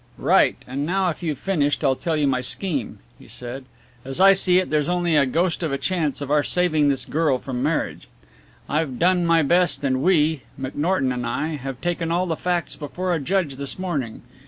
"Right, and now if you've finished I'll tell you my scheme," he said, "as I see it there's only a ghost of a chance of our saving this girl from marriage. I've done my best and we McNorton and I have taken all the facts before a judge this morning.